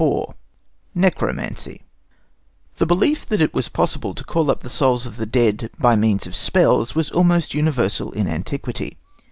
] IV NECROMANCY The belief that it was possible to call up the souls of the dead by means of spells was almost universal in antiquity.